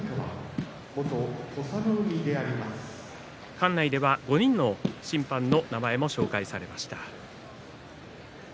館内では５人の審判の名前が紹介されました。